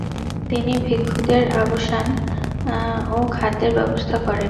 তিনি ভিক্ষুদের আবাসন ও খাদ্যের ব্যবস্থা করেন।